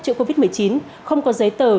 chữa covid một mươi chín không có giấy tờ